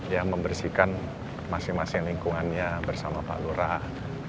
ya membersihkan masing masing lingkungannya bersama pak lurah